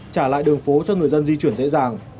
trả lại đường phố cho người dân di chuyển dễ dàng